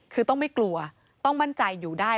คือต้องไม่กลัวต้องมั่นใจอยู่ได้